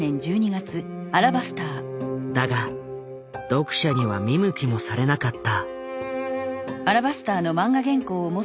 だが読者には見向きもされなかった。